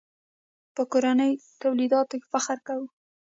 په کورنیو تولیداتو فخر کوو.